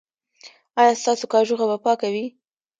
ایا ستاسو کاشوغه به پاکه وي؟